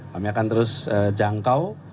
kita akan terus jangkau